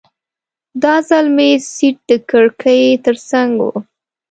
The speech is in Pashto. دا ځل مې سیټ د کړکۍ ترڅنګ و.